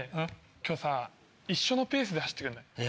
今日さ一緒のペースで走ってくんない？え？